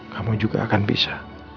kamu juga akan bisa